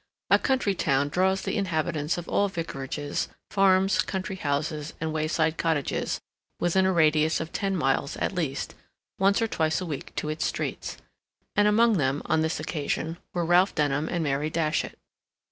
A county town draws the inhabitants of all vicarages, farms, country houses, and wayside cottages, within a radius of ten miles at least, once or twice a week to its streets; and among them, on this occasion, were Ralph Denham and Mary Datchet.